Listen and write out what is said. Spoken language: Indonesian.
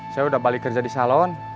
saya udah balik kerja di salon